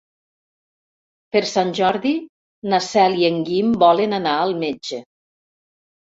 Per Sant Jordi na Cel i en Guim volen anar al metge.